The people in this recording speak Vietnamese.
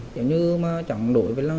nếu như mà chẳng đổi